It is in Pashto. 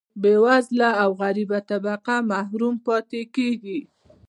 بیوزله او غریبه طبقه محروم پاتې کیږي.